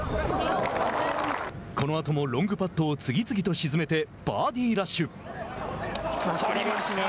このあともロングパットを次々と沈めてバーディーラッシュ。